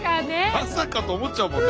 まさかと思っちゃうもんね。